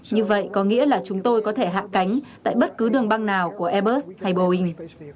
như vậy có nghĩa là chúng tôi có thể hạ cánh tại bất cứ đường băng nào của airbus hay boeing